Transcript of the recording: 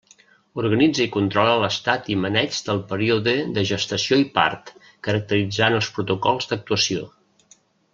Organitza i controla l'estat i maneig del període de gestació i part, caracteritzant els protocols d'actuació.